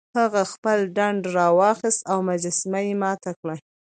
هغه خپله ډنډه راواخیسته او مجسمه یې ماته کړه.